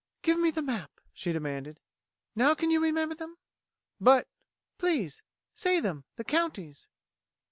"Give me the map!" she demanded. "Now can you remember them!" "But...." "Please! Say them the counties!"